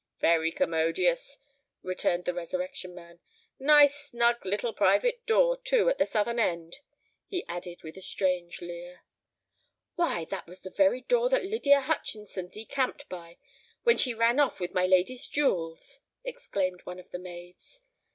"Very commodious," returned the Resurrection Man. "Nice snug little private door, too, at the southern end," he added with a strange leer. "Why, that was the very door that Lydia Hutchinson decamped by, when she ran off with my lady's jewels," exclaimed one of the maids.